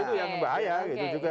itu yang bahaya gitu juga